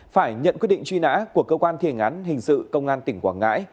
phải nhận quyết định truy nã của cơ quan thiền án hình sự công an tỉnh quảng ngãi